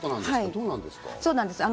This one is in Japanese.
どうなんですか？